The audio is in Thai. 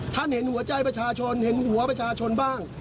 เห็นหัวใจประชาชนเห็นหัวประชาชนบ้าง